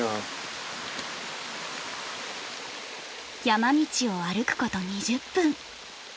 山道を歩くこと２０分。